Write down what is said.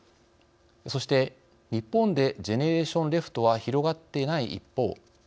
そして、日本でジェネレーション・レフトは広がっていない一方